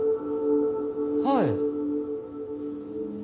はい。